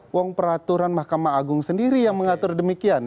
wong peraturan mahkamah agung sendiri yang mengatur demikian